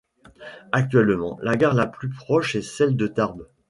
Actuellement, la gare la plus proche est celle de Tarbes.